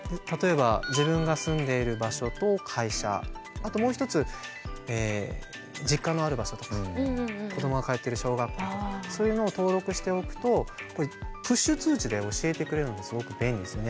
あともう一つ実家のある場所とか子どもが通っている小学校とかそういうのを登録しておくとこれプッシュ通知で教えてくれるのですごく便利ですよね。